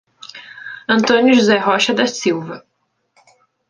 Antônio José Rocha da Silva